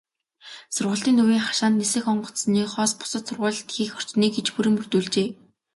Сургалтын төвийн хашаанд нисэх онгоцныхоос бусад сургуулилалт хийх орчныг иж бүрэн бүрдүүлжээ.